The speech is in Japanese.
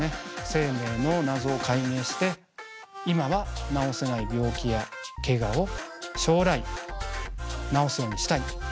生命の謎を解明して今は治せない病気やけがを将来治すようにしたい。